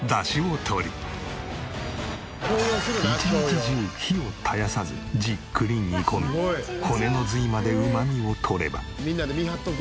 一日中火を絶やさずじっくり煮込み骨の髄までうまみを取れば。